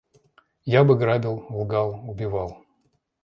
Я бы грабил, лгал, убивал.